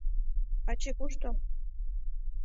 Вачи кушто?